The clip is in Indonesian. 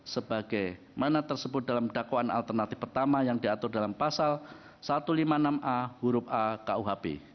sebagaimana tersebut dalam dakwaan alternatif pertama yang diatur dalam pasal satu ratus lima puluh enam a huruf a kuhp